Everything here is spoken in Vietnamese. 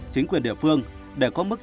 chính quyền địa phương để có mức